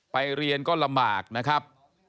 ไปเรียนก็ลำบากนะครับ